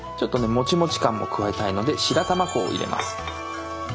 もちもち感も加えたいので白玉粉を入れます。